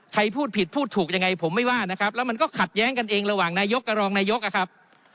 พูดผิดพูดถูกยังไงผมไม่ว่านะครับแล้วมันก็ขัดแย้งกันเองระหว่างนายกกับรองนายกอะครับ